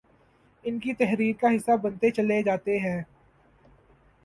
ان کی تحریر کا حصہ بنتے چلے جاتے ہیں